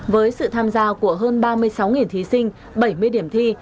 với sự tham gia của hơn ba mươi sáu thí sinh bảy mươi điểm thi